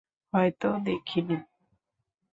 হয়তো দেখে নি।